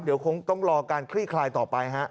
เดี๋ยวคงต้องรอการคลี่คลายต่อไปฮะ